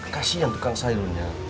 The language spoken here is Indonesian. kasian tukang sayurnya